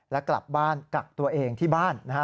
และกลับบ้านกักตัวเองที่บ้านนะฮะ